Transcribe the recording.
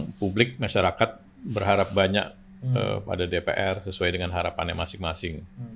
jadi publik masyarakat berharap banyak pada dpr sesuai dengan harapannya masing masing